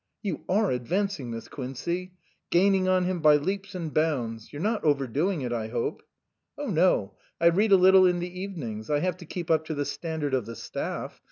"You are advancing, Miss Quincey gaining on him by leaps and bounds. You're not over doing it, I hope ?"" Oh no, I read a little in the evenings I have to keep up to the standard of the staff.